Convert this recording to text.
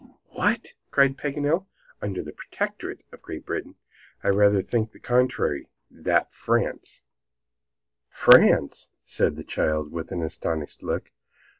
"What!" cried Paganel, "under the Protectorate of Great Britain. I rather think on the contrary, that France " "France," said the child, with an astonished look.